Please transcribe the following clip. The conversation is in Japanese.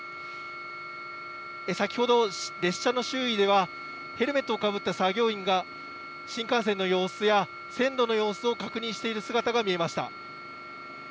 先ほど、列車の周囲では、ヘルメットをかぶった作業員が、新幹線の様子や線路の様子を確認している姿が見えました。